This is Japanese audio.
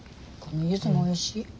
このユズもおいしい。